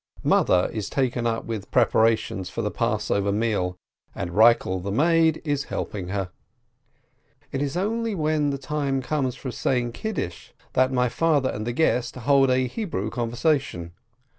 Mother is taken up with the preparations for the Passover meal, and Eikel the maid is helping her. It is only when the time comes for saying Kiddush that my father and the guest hold a Hebrew conversation.